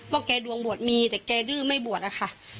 แกดวงบวชมีแต่แกดื้อไม่บวชอะค่ะ